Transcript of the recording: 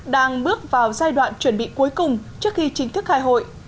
đang bước vào giai đoạn chuẩn bị cuối cùng trước khi chính thức khai hội